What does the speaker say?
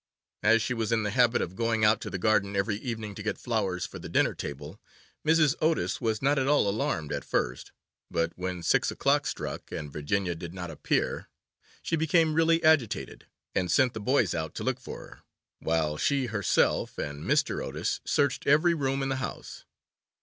As she was in the habit of going out to the garden every evening to get flowers for the dinner table, Mrs. Otis was not at all alarmed at first, but when six o'clock struck, and Virginia did not appear, she became really agitated, and sent the boys out to look for her, while she herself and Mr. Otis searched every room in the house.